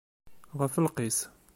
Ɣef lqis!